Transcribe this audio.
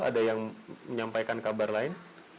ada yang menyampaikan kabar lain